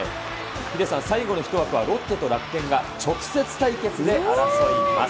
ヒデさん、最後の１枠はロッテと楽天が直接対決で争います。